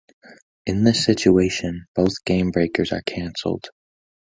In this situation, both Gamebreakers are canceled.